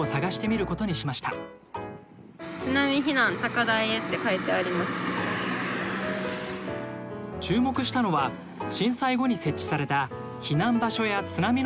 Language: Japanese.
注目したのは震災後に設置された避難場所や津波の高さを示す看板です。